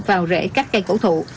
vào rễ các cây cổ thụ